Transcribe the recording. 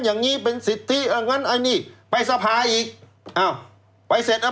อย่างงี้เป็นสิทธิอันนั้นไอ้นี่ไปสภาอีกอ้าวไปเสร็จเอา